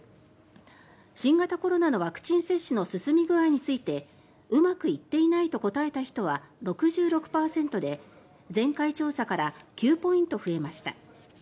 新型コロナのワクチン接種の進み具合についてうまくいっていないと答えた人は６６％で前回調査から９ポイント増えました。